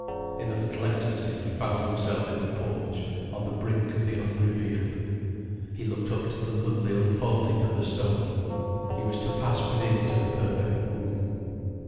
In a little ecstasy he found himself in the porch, on the brink of the unrevealed. He looked up to the lovely unfolding of the stone. He was to pass within to the perfect womb.